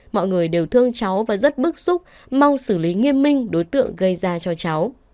mọi người đều thương cháu và rất bức xúc mong xử lý nghiêm minh đối tượng gây ra cho cháu